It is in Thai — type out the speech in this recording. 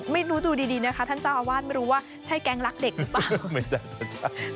ไม่รู้ดูดีนะคะท่านเจ้าอาวาสไม่รู้ว่าใช่แก๊งรักเด็กหรือเปล่า